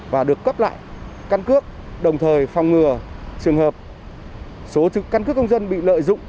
và được cấp lại căn cước đồng thời phòng ngừa trường hợp số căn cứ công dân bị lợi dụng